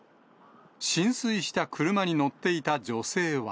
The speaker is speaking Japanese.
浸水した車に乗っていた女性は。